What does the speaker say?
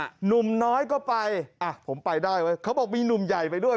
หนุ่มน้อยก็ไปอ่ะผมไปได้เว้ยเขาบอกมีหนุ่มใหญ่ไปด้วย